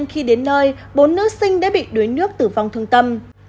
khi đến nơi bốn nữ sinh đã bị đuối nước tử vong thương tâm